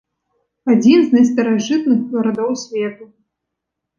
Адзін з найстаражытных гарадоў свету.